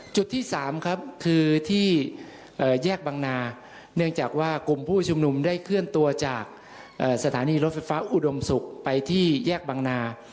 จุดที่๓ครับคือที่แยกบังนาเนื่องจากว่ากลุ่มผู้ชุมนุมได้เคลื่อนตัวจากสถานีรถไฟฟ้าอุดมศุกร์ไปที่แยกบังนา